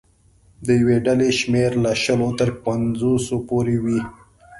د یوې ډلې شمېر له شلو تر پنځوسو پورې وي.